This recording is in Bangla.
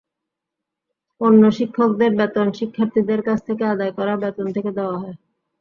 অন্য শিক্ষকদের বেতন শিক্ষার্থীদের কাছ থেকে আদায় করা বেতন থেকে দেওয়া হয়।